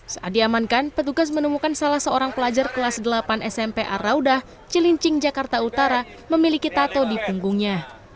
saat diamankan petugas menemukan salah seorang pelajar kelas delapan smp arraudah cilincing jakarta utara memiliki tato di punggungnya